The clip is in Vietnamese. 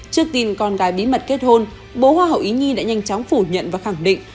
trước tin con gái bí mật kết hôn bố hoa hậu ý nhi đã nhanh chóng phủ nhận và khẳng định